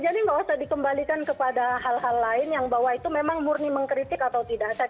jadi nggak usah dikembalikan kepada hal hal lain yang bahwa itu memang murni mengkritik atau tidak saya pikir kembali kepada karakter orang